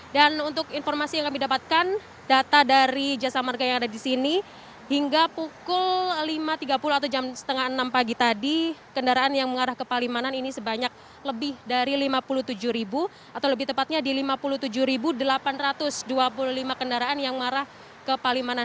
dan untuk informasi yang kami dapatkan data dari jasa marka yang ada di sini hingga pukul lima tiga puluh atau jam setengah enam pagi tadi kendaraan yang mengarah ke palimanan ini sebanyak lebih dari lima puluh tujuh atau lebih tepatnya di lima puluh tujuh delapan ratus dua puluh lima kendaraan yang mengarah ke palimanan